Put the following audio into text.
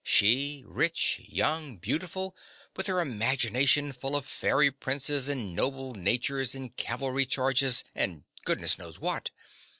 She, rich, young, beautiful, with her imagination full of fairy princes and noble natures and cavalry charges and goodness knows what!